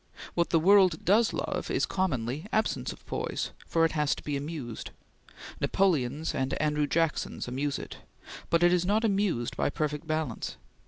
What the world does love is commonly absence of poise, for it has to be amused. Napoleons and Andrew Jacksons amuse it, but it is not amused by perfect balance.